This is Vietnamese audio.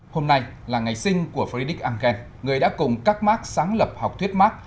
hôm nay là ngày sinh của friedic engel người đã cùng các mark sáng lập học thuyết mark